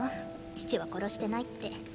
父は殺してないって。